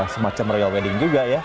semacam royal wedding juga ya